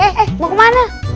eh eh mau kemana